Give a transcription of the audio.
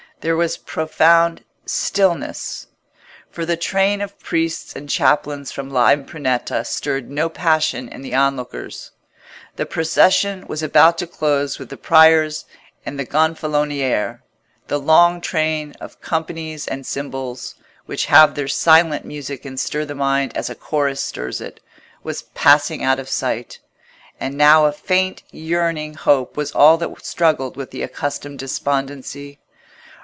There was profound stillness; for the train of priests and chaplains from L'Impruneta stirred no passion in the onlookers. The procession was about to close with the Priors and the Gonfaloniere: the long train of companies and symbols, which have their silent music and stir the mind as a chorus stirs it, was passing out of sight, and now a faint yearning hope was all that struggled with the accustomed despondency.